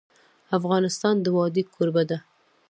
افغانستان د وادي کوربه دی.